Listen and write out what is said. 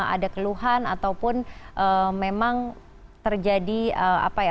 ada keluhan ataupun memang terjadi apa ya